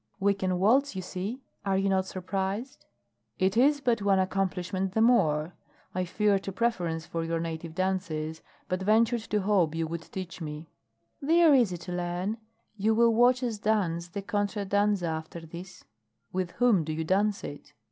"We can waltz, you see! Are you not surprised?" "It is but one accomplishment the more. I feared a preference for your native dances, but ventured to hope you would teach me." "They are easy to learn. You will watch us dance the contra danza after this." "With whom do you dance it?"